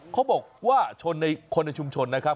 เขาบอกว่าชนในคนในชุมชนนะครับ